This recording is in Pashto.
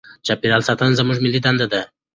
چاپیریال ساتنه زموږ ملي دنده ده.